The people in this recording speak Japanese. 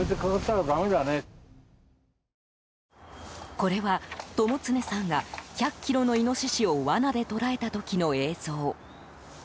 これは、友常さんが１００ｋｇのイノシシをわなで捕らえた時の映像。